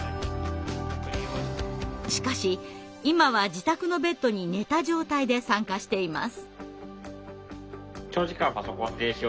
しかし今は自宅のベッドに寝た状態で参加しています。